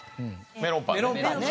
メロンパンね。